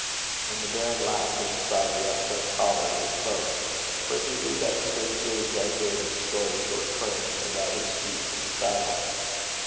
And the baron laughed inside the upturned collar of his cloak, for he knew that strangely exaggerated stories were current about his feats in the saddle.